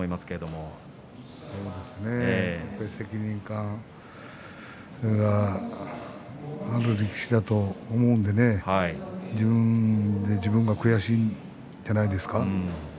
やっぱり責任感がある力士だと思うので自分で自分が悔しいんじゃないですか。